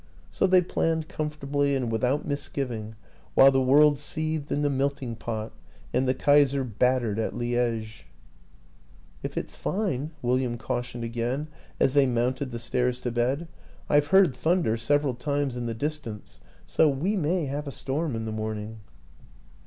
... So they planned comfortably and without misgiving, while the world seethed in the melting pot and the Kaiser battered at Liege. " If it's fine," William cautioned again as they mounted the stairs to bed. " I've heard thunder 56 WILLIAM AN ENGLISHMAN several times in the distance, so we may have a storm in the morning."